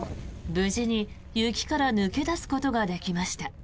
無事に雪から抜け出すことができました。